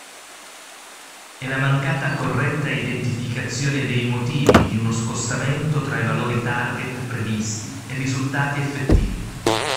E la mancata corretta identificazione dei motivi di uno scostamento tra valori target previsti e risultati effettivi.